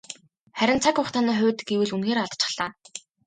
Харин цаг хугацааны хувьд гэвэл үнэхээр алдчихлаа.